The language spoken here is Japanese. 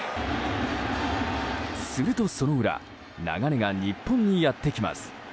するとその裏流れが日本にやってきます。